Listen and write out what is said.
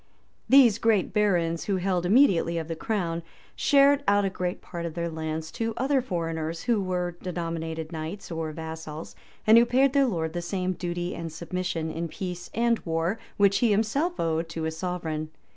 These great barons, who held immediately of the crown, shared out a great part of their lands to other foreigners, who were denominated knights or vassals, and who paid their lord the same duty and submission, in peace and war, which he himself owed, to his sovereign.